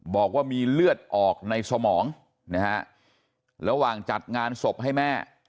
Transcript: บอกว่ามีเลือดออกในสมองนะฮะระหว่างจัดงานศพให้แม่